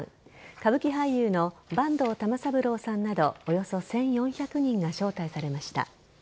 歌舞伎俳優の坂東玉三郎さんなどおよそ１４００人が招待されました。